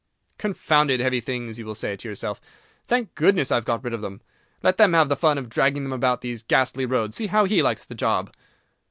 "Confounded heavy things!" you will say to yourself. "Thank goodness I've got rid of them. Let him have the fun of dragging them about these ghastly roads. See how he likes the job!"